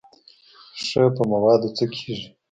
ښه په موادو څه کېږي.